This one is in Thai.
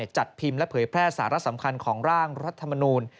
จัดพิมพ์และเผยแพร่สาระสำคัญของร่างรัฐมนูล